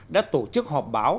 đã tổ chức họp báo